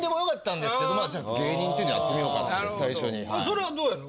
それはどうなの？